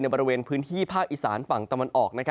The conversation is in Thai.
บริเวณพื้นที่ภาคอีสานฝั่งตะวันออก